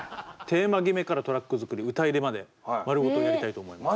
テーマ決めからトラック作り歌入れまで丸ごとやりたいと思います。